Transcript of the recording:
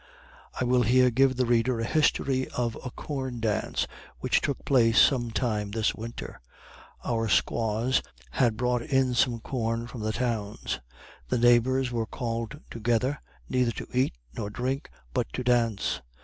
I will here give the reader the history of a corn dance which took place sometime this winter. Our squaws had brought in some corn from the towns. The neighbors were called together, neither to eat, nor drink, but to dance.